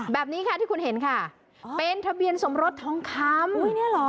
แบบนี้ค่ะที่คุณเห็นค่ะเป็นทะเบียนสมรสท้องคำ